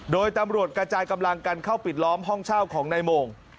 โดยตำรวจกระจายกำลังกันเข้าปิดล้อมห้องเช่าของนายโมง